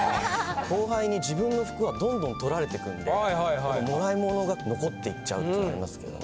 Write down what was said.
後輩に自分の服はどんどん取られてくんで貰い物が残っていっちゃうってのがありますけどね。